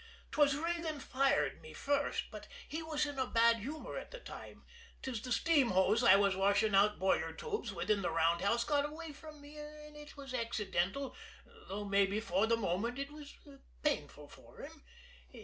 "'Twas Regan fired me first, but he was in a bad humor at the time; 'twas the steam hose I was washing out boiler tubes with in the roundhouse got away from me, and it was accidental, though mabbe for the moment it was painful for him.